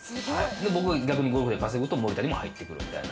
僕がゴルフで稼ぐと森田にも入ってくるみたいな。